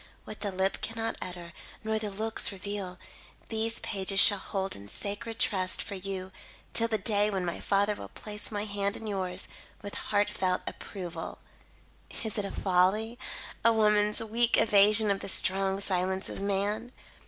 What the lip cannot utter, nor the looks reveal, these pages shall hold in sacred trust for you till the day when my father will place my hand in yours, with heart felt approval. "Is it a folly? A woman's weak evasion of the strong silence of man?